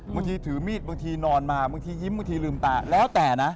บางทีถือมีดบางทีนอนมาบางทีมีมีมีนเท่าที่